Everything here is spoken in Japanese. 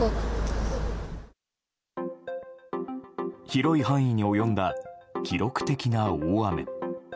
広い範囲に及んだ記録的な大雨。